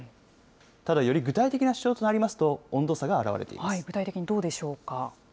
ただ、より具体的な主張となりますと、具体的にどうでしょうか。